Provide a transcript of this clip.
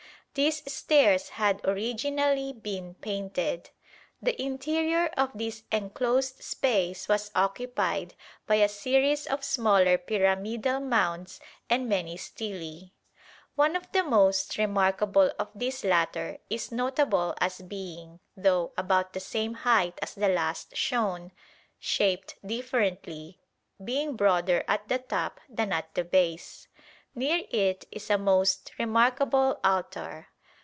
These stairs had originally been painted. The interior of this enclosed space was occupied by a series of smaller pyramidal mounds and many stelae. One of the most remarkable of these latter is notable as being, though about the same height as the last shown, shaped differently, being broader at the top than at the base. Near it is a most remarkable altar.